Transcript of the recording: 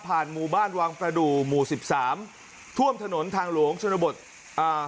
หมู่บ้านวังประดูกหมู่สิบสามท่วมถนนทางหลวงชนบทอ่า